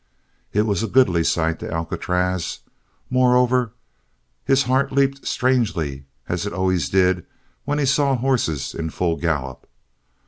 It was a goodly sight to Alcatraz. Moreover, his heart leaped strangely, as it always did when he saw horses in full gallop.